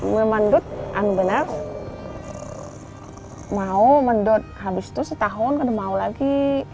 belum mendut and benar mau mendot habis setahun mau lagi